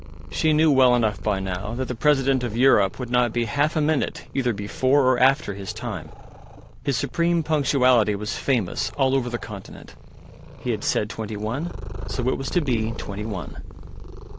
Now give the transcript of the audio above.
She knew well enough by now that the President of Europe would not be half a minute either before or after his time. His supreme punctuality was famous all over the continent. He had said Twenty One, so it was to be twenty one.